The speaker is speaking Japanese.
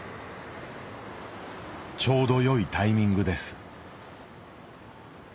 「ちょうど良いタイミングです」。